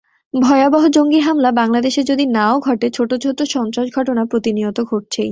ভয়াবহ জঙ্গি হামলা বাংলাদেশে যদি না-ও ঘটে, ছোট ছোট সন্ত্রাস-ঘটনা প্রতিনিয়ত ঘটছেই।